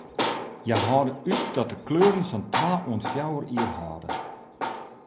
Hja hâlde út dat de kleuren sa'n twa oant fjouwer jier hâlde.